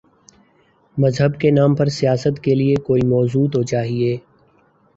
مذہب کے نام پر سیاست کے لیے کوئی موضوع تو چاہیے۔